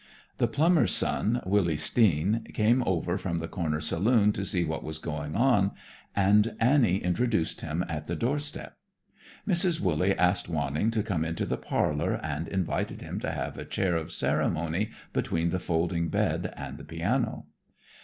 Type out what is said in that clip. The plumber's son, Willy Steen, came over from the corner saloon to see what was going on, and Annie introduced him at the doorstep. Mrs. Wooley asked Wanning to come into the parlor and invited him to have a chair of ceremony between the folding bed and the piano.